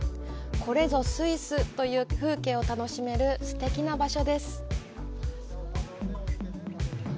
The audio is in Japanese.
これぞスイスという風景を楽しめるすてきな場所です。